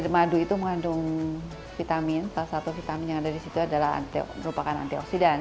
madu itu mengandung vitamin salah satu vitamin yang ada di situ adalah merupakan antioksidan